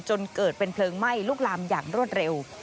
จนเกิดเป็นเพลิงไหม้ลุกลามอย่างรวดเร็ว